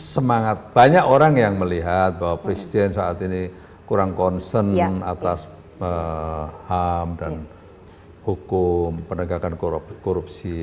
semangat banyak orang yang melihat bahwa presiden saat ini kurang concern atas ham dan hukum penegakan korupsi